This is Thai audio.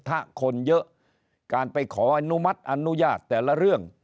ถ้าคนเยอะการไปขออนุมัติอนุญาตแต่ละเรื่อง